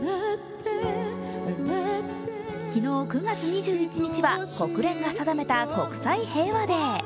昨日９月２１日は国連が定めた国際平和デー。